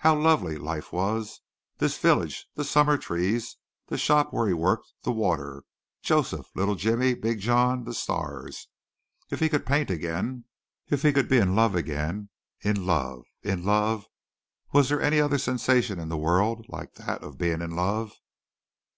How lovely life was, this village, the summer trees, the shop where he worked, the water, Joseph, little Jimmy, Big John, the stars. If he could paint again, if he could be in love again. In love! In love! Was there any other sensation in the world like that of being in love?